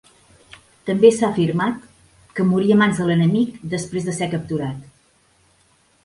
També s'ha afirmat que morí a mans de l'enemic, després de ser capturat.